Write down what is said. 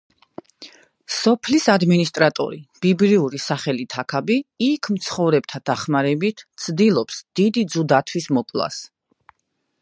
სოფლის ადმინისტრატორი, ბიბლიური სახელით აქაბი, იქ მცხოვრებთა დახმარებით, ცდილობს დიდი ძუ დათვის მოკვლას.